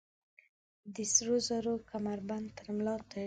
د سروزرو کمربند تر ملا تړلي